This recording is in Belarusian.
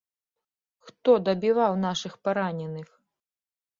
Хто дабіваў нашых параненых?